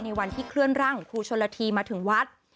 ในวันที่เคลื่อนร่างของครูชนละทีมาถึงวัด